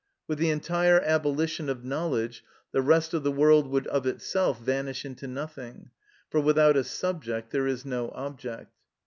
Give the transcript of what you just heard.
With the entire abolition of knowledge, the rest of the world would of itself vanish into nothing; for without a subject there is no object.